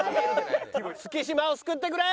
月島を救ってくれ！